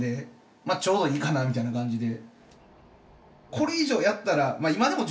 まあちょうどいいかなみたいな感じで。